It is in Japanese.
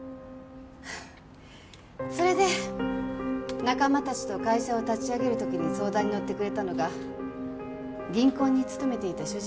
それで仲間たちと会社を立ち上げる時に相談に乗ってくれたのが銀行に勤めていた主人でした。